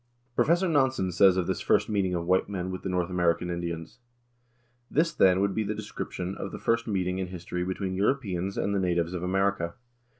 Professor Nansen says of this first meeting of white men with the North American Indians :" This, then, would be the description of the first meeting in history between Europeans and the natives of America.